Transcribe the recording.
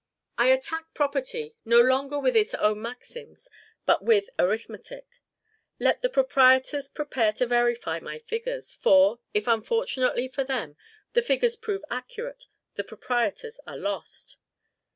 I attack property, no longer with its own maxims, but with arithmetic. Let the proprietors prepare to verify my figures; for, if unfortunately for them the figures prove accurate, the proprietors are lost.